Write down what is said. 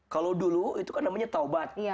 kalau dulu itu kan namanya taubat